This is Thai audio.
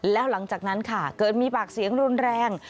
แล้วหลังจากนั้นค่ะเกิดมีปากเสียงรุนแรง